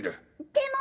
でも。